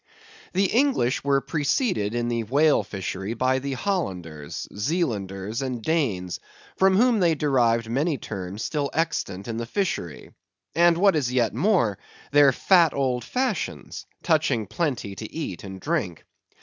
The English were preceded in the whale fishery by the Hollanders, Zealanders, and Danes; from whom they derived many terms still extant in the fishery; and what is yet more, their fat old fashions, touching plenty to eat and drink.